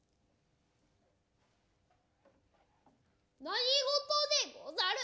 何事でござる。